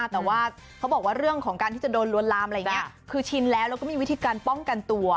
แต่ว่าเขาบอกว่าเรื่องของการที่จะโดนลวนลามอะไรอย่างนี้คือชินแล้วแล้วก็มีวิธีการป้องกันตัว